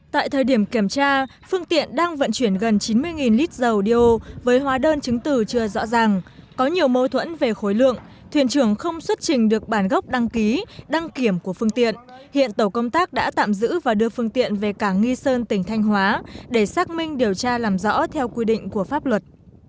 tại thời điểm kiểm tra phương tiện đang vận chuyển gần chín mươi lít dầu đeo với hóa đơn chứng từ chưa rõ ràng có nhiều mâu thuẫn về khối lượng thuyền trưởng không xuất trình được bản gốc đăng ký đăng kiểm của phương tiện hiện tổ công tác đã tạm giữ và đưa phương tiện về cảng nghi sơn tỉnh thanh hóa để xác minh điều tra làm rõ theo quy định của pháp luật